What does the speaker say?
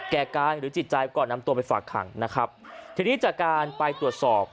แก่กายหรือจิตใจก่อนนำตัวไปฝากขังนะครับทีนี้จากการไปตรวจสอบ